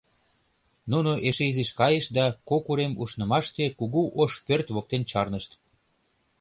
Нуно эше изиш кайышт да кок урем ушнымаште кугу ош пӧрт воктен чарнышт.